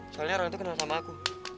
soalnya orang itu kenal sama aku